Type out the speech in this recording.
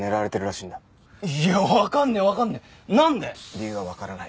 理由はわからない。